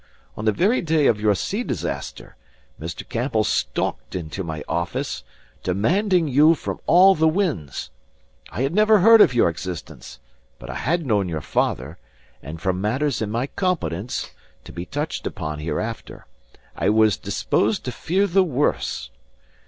On the very day of your sea disaster, Mr. Campbell stalked into my office, demanding you from all the winds. I had never heard of your existence; but I had known your father; and from matters in my competence (to be touched upon hereafter) I was disposed to fear the worst.